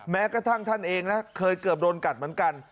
แม้กระทั่งท่านเองนะเคยเกือบโดนกัดเหมือนกัน